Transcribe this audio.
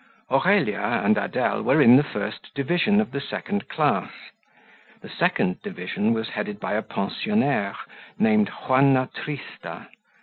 Aurelia and Adele were in the first division of the second class; the second division was headed by a pensionnaire named Juanna Trista.